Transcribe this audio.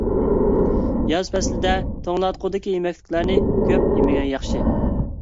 ياز پەسلىدە توڭلاتقۇدىكى يېمەكلىكلەرنى كۆپ يېمىگەن ياخشى.